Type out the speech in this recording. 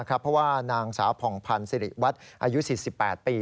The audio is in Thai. เพราะว่านางสาวผ่องพันธ์สิริวัตรอายุ๔๘ปี